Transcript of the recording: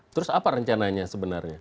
terus apa rencananya sebenarnya